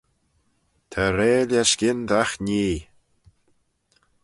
Ta reill erskyn dagh nhee!